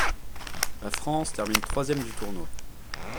La France termine troisième du tournoi.